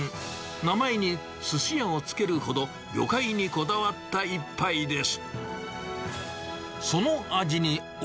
名前に寿司屋を付けるほど魚介にこだわった一杯です。